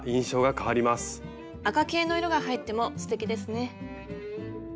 赤系の色が入ってもすてきですね。